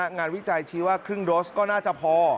วิจัยชี้ว่าครึ่งโดสก็น่าจะพอ